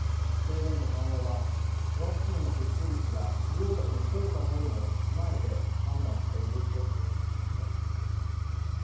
制限の緩和はワクチンの接種率や治療薬の効果なども踏まえて判断されるべきと強調しました。